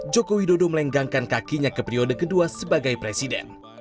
joko widodo melenggangkan kakinya ke periode kedua sebagai presiden